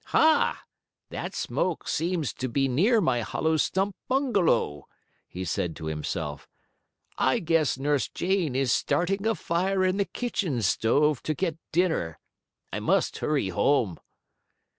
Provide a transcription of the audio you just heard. "Ha! That smoke seems to be near my hollow stump bungalow," he said to himself. "I guess Nurse Jane is starting a fire in the kitchen stove to get dinner. I must hurry home."